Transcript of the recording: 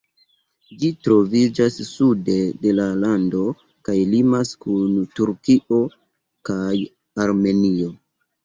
Ĝi troviĝas sude de la lando kaj limas kun Turkio kaj Armenio.